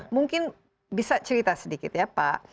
mungkin bisa cerita sedikit ya pak